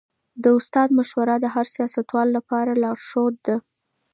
د استاد مشوره د هر سياستوال لپاره لارښود ده.